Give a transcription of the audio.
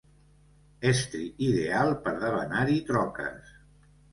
Estri ideal per debanar-hi troques.